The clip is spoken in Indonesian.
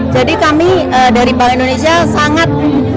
jadi kami dari bank indonesia sangat